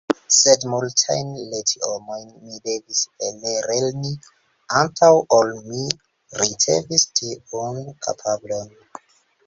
Sed multajn lecionojn mi devis ellerni, antaŭ ol mi ricevis tiun kapablon.